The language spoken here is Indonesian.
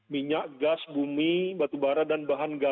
minyak gas bumi batu bara dan bahan galau